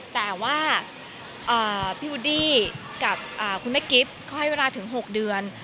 แต่ว่าพี่วูดดี้กับคุณแม่กิ๊บเขาให้เวลาถึง๖เดือน